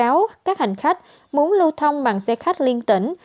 khuyến cáo các hành khách muốn lưu thông bằng xe khách liên tỉnh